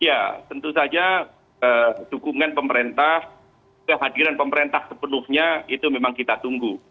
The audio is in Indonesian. ya tentu saja dukungan pemerintah kehadiran pemerintah sepenuhnya itu memang kita tunggu